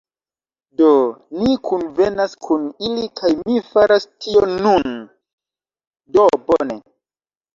Do, ni kunvenas kun ili kaj mi faras tion nun. Do bone.